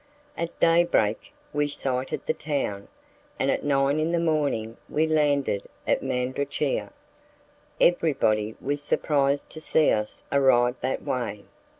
At day break we sighted the town, and at nine in the morning we landed at Mandrachia. Everybody was surprised to see us arrive that way.